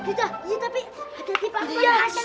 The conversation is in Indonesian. iya tapi ada tipe aku yang asli sama bayi ini